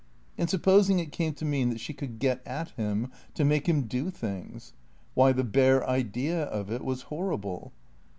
And supposing it came to mean that she could get at him to make him do things? Why, the bare idea of it was horrible.